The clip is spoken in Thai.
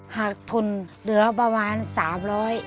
หากทุนเหลือประมาณ๓๐๐บาท